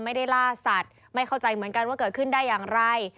ไม่ได้ล่าสัตว์ไม่เข้าใจเหมือนกันว่าเกิดขึ้นได้อย่างไร